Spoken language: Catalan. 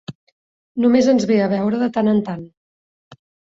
Només ens ve a veure de tant en tant.